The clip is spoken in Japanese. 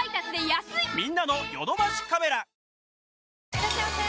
いらっしゃいませ！